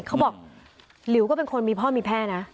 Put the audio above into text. เขาบอกหลิวก็เป็นคนมีพ่อมีแม่นะ